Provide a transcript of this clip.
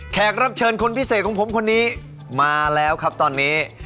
รับเชิญคนพิเศษของผมคนนี้มาแล้วครับตอนนี้